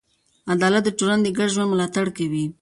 عدالت د ټولنې د ګډ ژوند ملاتړ کوي.